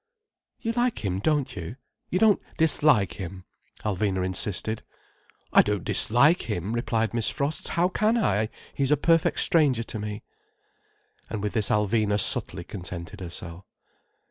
"You like him, don't you? You don't dislike him?" Alvina insisted. "I don't dislike him," replied Miss Frost. "How can I? He is a perfect stranger to me." And with this Alvina subtly contented herself.